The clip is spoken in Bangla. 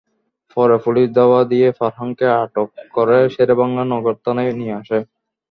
পরে পুলিশ ধাওয়া দিয়ে ফারহানকে আটক করে শেরেবাংলা নগর থানায় নিয়ে আসে।